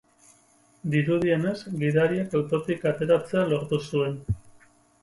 Dirudienez, gidariak autotik ateratzea lortu zuen.